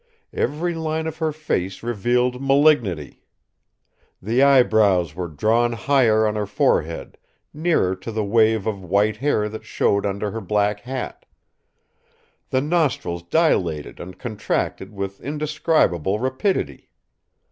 Every line of her face revealed malignity. The eyebrows were drawn higher on her forehead, nearer to the wave of white hair that showed under her black hat. The nostrils dilated and contracted with indescribable rapidity.